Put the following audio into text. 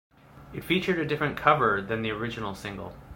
It featured a different cover, than the original single.